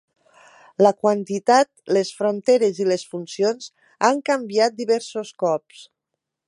La quantitat, les fronteres i les funcions han canviat diversos cops.